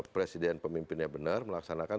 presiden pemimpinnya benar melaksanakan